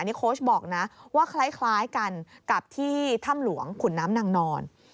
นี่โค้ชบอกนะว่าคล้ายกันกับที่ถ้ำหลวงขุนน้ำนางนอน